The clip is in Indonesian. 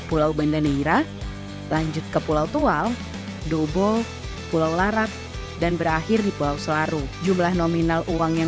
pulau bandaneira lanjut ke pulau tual dobol pulau larat dan berakhir di pulau selaru jumlah nominal